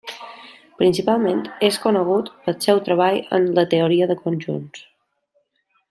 Principalment és conegut pel seu treball en la teoria de conjunts.